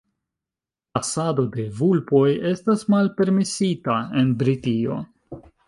ĉasado de vulpoj estas malpermesita en Britio.